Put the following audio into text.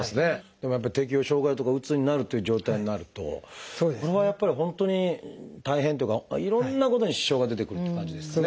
でもやっぱり適応障害とかうつになるという状態になるとこの場合はやっぱり本当に大変というかいろんなことに支障が出てくるっていう感じですかね。